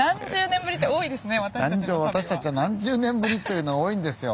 私たちは何十年ぶりというの多いんですよ。